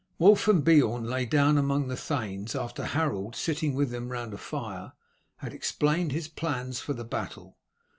Wulf and Beorn lay down among the thanes, after Harold, sitting with them round a fire, had explained his plans for the battle.